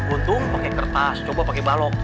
untung pakai kertas coba pakai balok